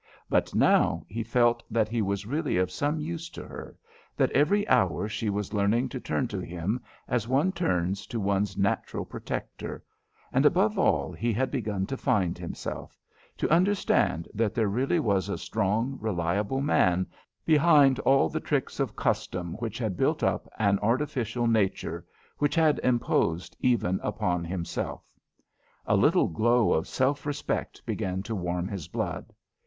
But now he felt that he was really of some use to her, that every hour she was learning to turn to him as one turns to one's natural protector; and above all, he had begun to find himself to understand that there really was a strong, reliable man behind all the tricks of custom which had built up an artificial nature, which had imposed even upon himself. A little glow of self respect began to warm his blood.